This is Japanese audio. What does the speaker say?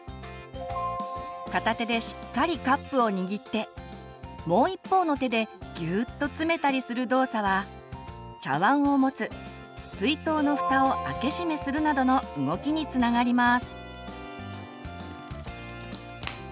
片手でしっかりカップをにぎってもう一方の手でギューッと詰めたりする動作は茶わんを持つ水筒のふたを開け閉めするなどの動きにつながります。